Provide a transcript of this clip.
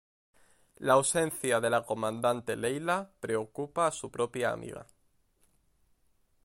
La ausencia de la comandante Leila preocupa a su propia amiga.